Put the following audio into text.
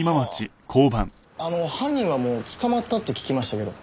あの犯人はもう捕まったって聞きましたけど。